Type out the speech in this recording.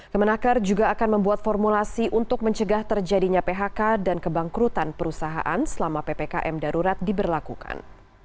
kemenaker juga akan membuat formulasi untuk mencegah terjadinya phk dan kebangkrutan perusahaan selama ppkm darurat diberlakukan